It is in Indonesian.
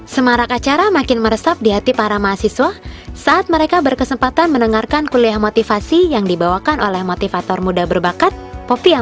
ketika keberagaman diwujudkan dalam kebersamaan maka yang terjadi adalah semangat kebersatan